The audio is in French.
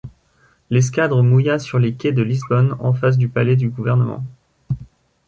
L’escadre mouilla sur les quais de Lisbonne en face du palais du gouvernement.